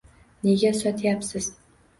Nega sotyapsiz